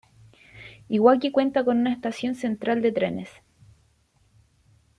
Iwaki cuenta con una estación central de trenes.